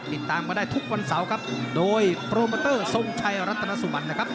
ติดตามกันได้ทุกวันเสาร์ครับโดยโปรโมเตอร์ทรงชัยรัตนสุบันนะครับ